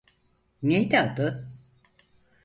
Neydi adı?